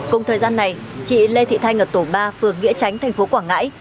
cùng thời gian này chị lê thị thanh ở tổ ba phường nghĩa tránh thành phố quảng ngãi